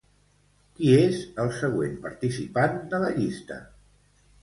Qui és el següent participant de la llista?